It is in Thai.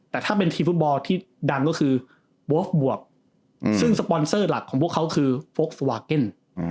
แต่ถ้าเป็นทีมฟุตบอลที่ดังก็คือโบฟบวกซึ่งสปอนเซอร์หลักของพวกเขาคือโฟกสวาเก็น